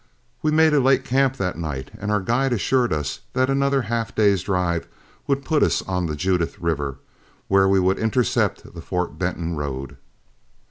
We made a late camp that night, and our guide assured us that another half day's drive would put us on the Judith River, where we would intercept the Fort Benton road.